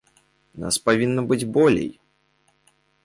Нас павінна быць болей!